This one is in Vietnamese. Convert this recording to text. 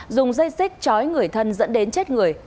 dùng dây xích chói người thân dẫn đến chết người